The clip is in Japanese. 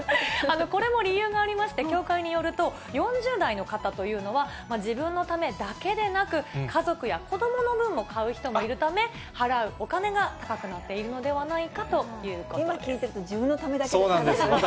これも理由がありまして、協会によると、４０代の方というのは、自分のためだけでなく、家族や子どもの分も買う人がいるため、払うお金が高くなっている今聞いてて、自分のためだけという感じでしたよね。